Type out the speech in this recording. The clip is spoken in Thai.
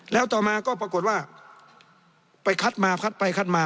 แล้วต่อมาก็ปรากฏว่าไปคัดมาพัดไปคัดมา